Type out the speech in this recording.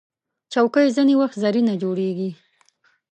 چوکۍ ځینې وخت زرینه جوړیږي.